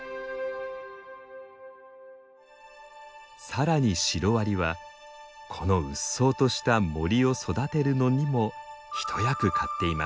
さらにシロアリはこのうっそうとした森を育てるのにも一役買っています。